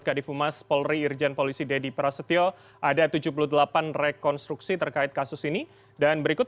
kadifu mas polri irjen polisi dedy prasetyo ada tujuh puluh delapan rekonstruksi terkait kasus ini dan berikut